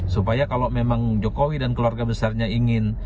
supaya kalau memang jokowi dan keluarga besarnya ingin